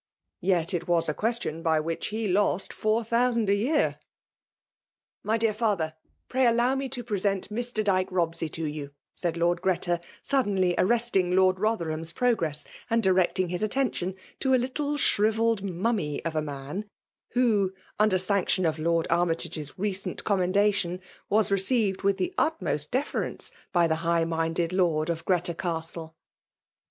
Tet it lK>MINATK>N;i It a qntation by which he lost four tlio«9iHui 'f My dear falher^ pray aUow me to {ureseat Mr. Dyke Bobseyto you," said Lord Giretat gaddenly arre&tiDg Lord Botherham's pro gvtttiy and direeting his attention to a little shrivelled mummy of a man, who, under sane* tioiat of Lord Army tage^s recent commendation, was reeeived with the utmost deference by the Ugh minded Lord of Greta Castle.